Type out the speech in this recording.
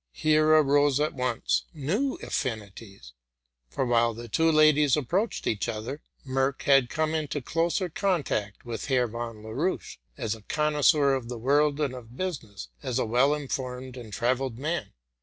Here arose at once new aflinities ; for while the two ladies approached each other, Merck had come into closer contact with Herr von Laroche as a connoisseur of the world and of business, as a well informed and travelled man.